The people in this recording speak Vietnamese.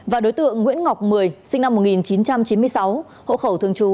và đối tượng nguyễn ngọc mười sinh năm một nghìn chín trăm chín mươi sáu hộ khẩu thường trú